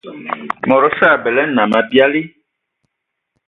Mod osə abələ nnam abiali.